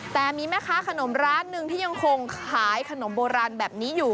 แต่มีแม่ค้าขนมร้านหนึ่งที่ยังคงขายขนมโบราณแบบนี้อยู่